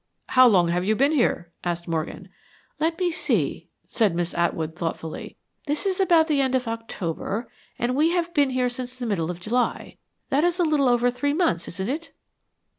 "How long have you been here?" asked Morgan. "Let me see," said Miss Atwood, thoughtfully. "This is almost the end of October, and we have been here since the middle of July. That is a little over three months, isn't it?"